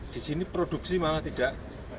disini produksi malah tidak